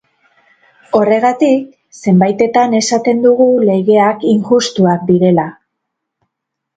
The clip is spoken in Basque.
Horregatik, zenbaitetan esaten dugu legeak injustuak direla.